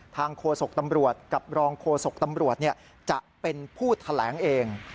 โฆษกตำรวจกับรองโฆษกตำรวจจะเป็นผู้แถลงเอง